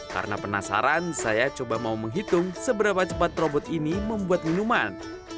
karena penasaran saya coba mau menghitung seberapa cepat robot ini membuat minuman